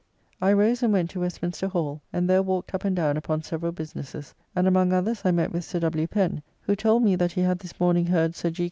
8th. I rose and went to Westminster Hall, and there walked up and down upon several businesses, and among others I met with Sir W. Pen, who told me that he had this morning heard Sir G.